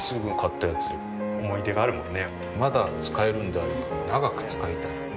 まだ使えるんであれば長く使いたい。